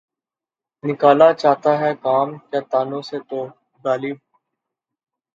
نکالا چاہتا ہے کام کیا طعنوں سے تو؟ غالبؔ!